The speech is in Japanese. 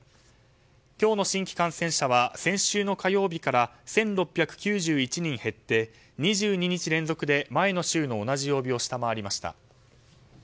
今日の新規感染者は先週の火曜日から１６９１人減って、２２日連続で前の週の同じ曜日を下回りました。